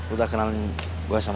udah kenalan gue sama dani